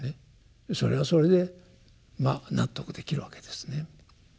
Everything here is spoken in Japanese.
それはそれでまあ納得できるわけですね。